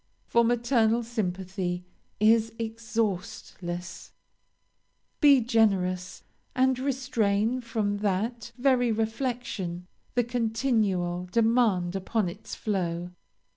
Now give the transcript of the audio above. For maternal sympathy is exhaustless; be generous, and restrain, from that very reflection, the continual demand upon its flow.